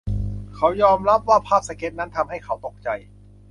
เขายอมรับว่าภาพสเก๊ตช์นั้นทำให้เขาตกใจ